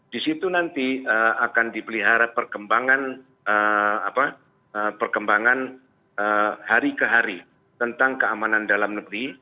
di situ nanti akan dipelihara perkembangan hari ke hari tentang keamanan dalam negeri